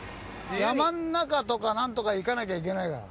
山の中とかなんとか行かなきゃいけないから。